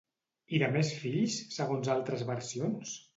I de més fills, segons altres versions?